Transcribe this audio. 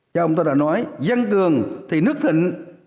theo ông ta đã nói dân cường thì nước thịnh